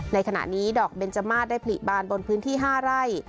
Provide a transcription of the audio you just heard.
ในขณะนี้ดอกเบนจมาสได้ผลิบานบนพื้นที่๕ไร่